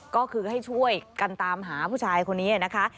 ก็คือให้ช่วยกันตามหาผู้ชายคนนี้นะคะ